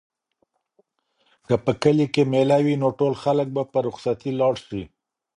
که په کلي کې مېله وي نو ټول خلک به په رخصتۍ لاړ شي.